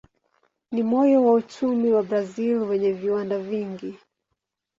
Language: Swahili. Ni moyo wa uchumi wa Brazil wenye viwanda vingi.